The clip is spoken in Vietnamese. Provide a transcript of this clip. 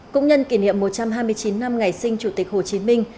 cũng nhân kỷ niệm một trăm hai mươi chín năm ngày sinh chủ tịch hồ chí minh